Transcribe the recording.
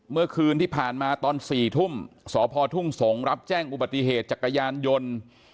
เมื่อคืนที่ผ่านมาตอน๔ทุ่มสพทุ่งสงศ์รับแจ้งอุบัติเหตุจักรยานยนต์